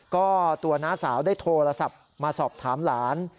ก็ตัวน้าสาวได้โทรศัพท์มาสอบถามหลาน